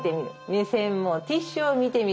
目線もティッシュを見てみる。